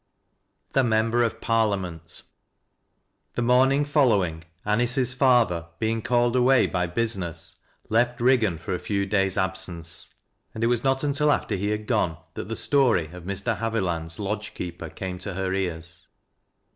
THE MEMBEE OF PAELIAMENT. Tub Tnoming following, Anice's father being caJe i RWftj by business left Riggan for a f^w clays' abseneo, and it was not until after he had gone, that the story ol Mr. Haviland's lodge keeper came to her ears.